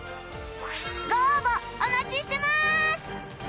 ご応募お待ちしてます！